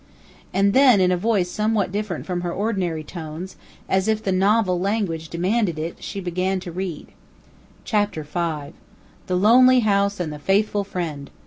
And then, in a voice somewhat different from her ordinary tones, as if the "novel language" demanded it, she began to read: "Chapter Five. The Lonely house and the Faithful friend.